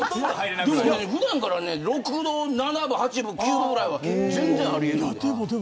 普段から６度７分８分９分ぐらいは全然あるんで。